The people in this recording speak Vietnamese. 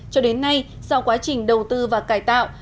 cho đến nay sau quá trình đầu tư và cải tạo